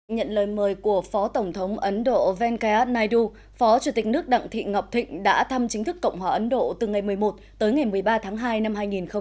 nhận lời mời của phó tổng thống ấn độ venkayat naidu phó chủ tịch nước đặng thị ngọc thịnh đã thăm chính thức cộng hòa ấn độ từ ngày một mươi một tới ngày một mươi ba tháng hai năm hai nghìn một mươi chín